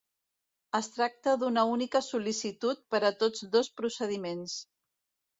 Es tracta d'una única sol·licitud per a tots dos procediments.